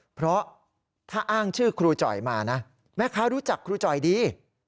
เพราะถ้าอ้างชื่อครูจ่อยมานะแม่ค้ารู้จักครูจ่อยดี